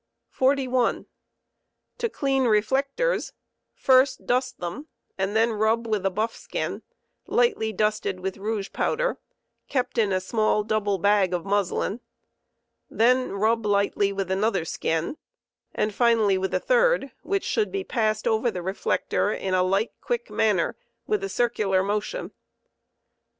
* car* of reflect* 41. To clean reflectors, first dust them and then rub ^rith a buff skin, lightly dusted with rouge powder, kept in a small double bag*of muslin; then rub lightly with another skin, and finally with a third, which should be passed over the reflector in a light, quick manner with a circular motion.